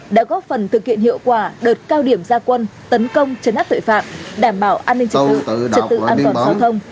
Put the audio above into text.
đã góp phần thực hiện hiệu quả đợt cao điểm gia quân tấn công chấn áp tội phạm đảm bảo an ninh trật tự trật tự an toàn giao thông